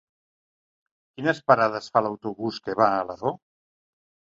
Quines parades fa l'autobús que va a Alaró?